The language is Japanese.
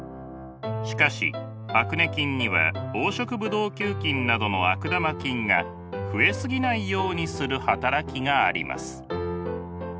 しかしアクネ菌には黄色ブドウ球菌などの悪玉菌が増え過ぎないようにする働きがあります。